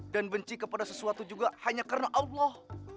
dan benci kepada sesuatu juga hanya karena allah